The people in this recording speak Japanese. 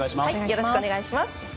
よろしくお願いします。